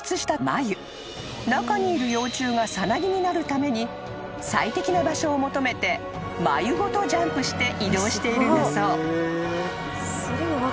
［中にいる幼虫がサナギになるために最適な場所を求めて繭ごとジャンプして移動しているんだそう］